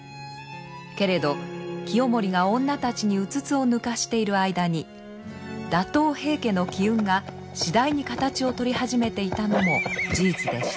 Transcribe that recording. けれど清盛が女たちにうつつを抜かしている間に打倒平家の機運が次第に形を取り始めていたのも事実でした。